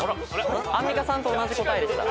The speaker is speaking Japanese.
アンミカさんと同じ答えでした。